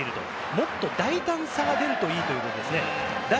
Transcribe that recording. もっと大胆さが出るといいということですね。